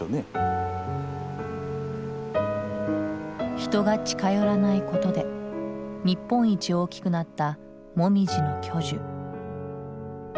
人が近寄らないことで日本一大きくなったモミジの巨樹。